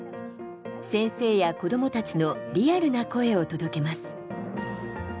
先生や子どもたちのリアルな声を届けます。